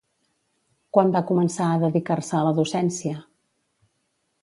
Quan va començar a dedicar-se a la docència?